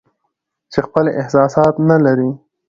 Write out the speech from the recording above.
چې خپل احساسات نه لري